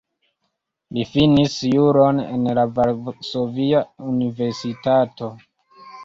Li finis juron en la Varsovia Universitato.